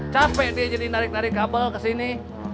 capek dia jadi narik narik kabel ke sini